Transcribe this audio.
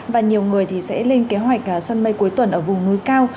và nhiều người sẽ lên kế hoạch sân mây cuối tuần ở vùng núi cao